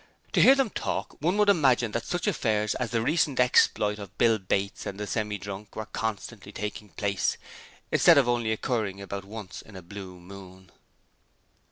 To hear them talk, one would imagine that such affairs as the recent exploit of Bill Bates and the Semi drunk were constantly taking place, instead of only occurring about once in a blue moon.